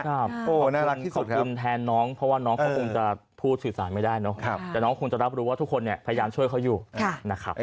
ขอบคุณแทนน้องเพราะว่าน้องเขาคงจะพูดสื่อสารไม่ได้เนาะแต่น้องคงจะรับรู้ว่าทุกคนเนี่ยพยายามช่วยเขาอยู่นะครับ